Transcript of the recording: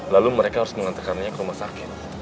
lalu mereka harus mengantarkannya ke rumah sakit